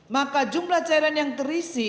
maka jumlah cairan yang terisi